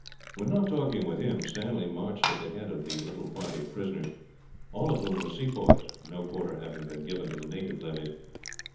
When not talking with him, Stanley marched at the head of the little party of prisoners all of whom were sepoys, no quarter having been given to the native levies.